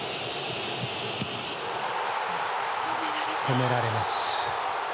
止められます。